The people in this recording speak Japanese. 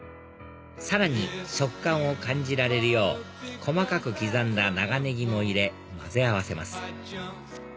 さらに食感を感じられるよう細かく刻んだ長ネギも入れ混ぜ合わせます